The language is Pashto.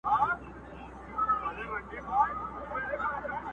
چي هغوى خيالي ټوكران پرې ازمېيله .!